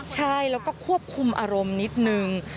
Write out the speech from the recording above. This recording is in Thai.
ใช่แล้วก็ควบคุมอารมณ์นิดนึง